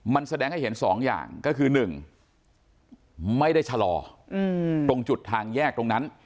มันแสดงให้เห็น๒อย่างก็คือ๑ไม่ได้ชะลอตรงจุดทางแยกตรงนั้น